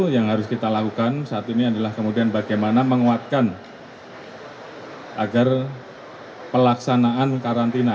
yang harus kita lakukan saat ini adalah kemudian bagaimana menguatkan agar pelaksanaan karantina